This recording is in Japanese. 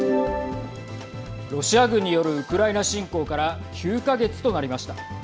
ロシア軍によるウクライナ侵攻から９か月となりました。